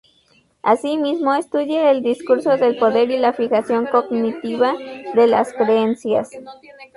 Asimismo, estudia el discurso del poder y la fijación cognitiva de las creencias.